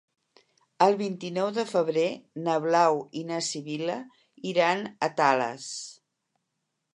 El vint-i-nou de febrer na Blau i na Sibil·la iran a Tales.